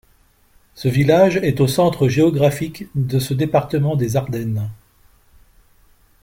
Ce village est au centre géographique de ce département des Ardennes.